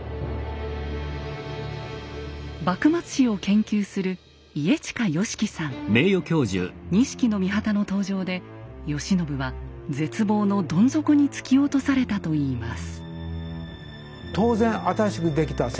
幕末史を研究する錦の御旗の登場で慶喜は絶望のどん底に突き落とされたといいます。